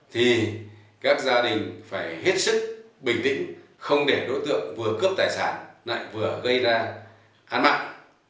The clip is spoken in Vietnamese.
thì các gia đình phải hết sức bình tĩnh không để đối tượng vừa cướp tài sản lại vừa gây ra án mạng